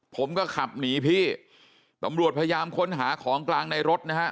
ผมก็ขับหนีพี่ตำรวจพยายามค้นหาของกลางในรถนะฮะ